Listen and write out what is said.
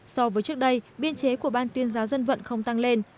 so với trước đây biên chế của ban tuyên giáo dân vận không tăng lên